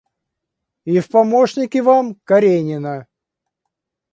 И в помощники вам — Каренина.